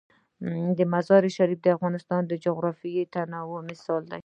مزارشریف د افغانستان د جغرافیوي تنوع مثال دی.